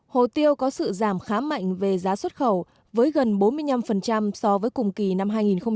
hồ tiêu có sự giảm khá mạnh về giá xuất khẩu với gần bốn mươi năm so với cùng kỳ năm hai nghìn một mươi tám